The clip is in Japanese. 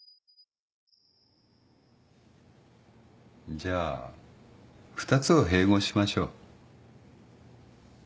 じゃあ２つを併合しましょう。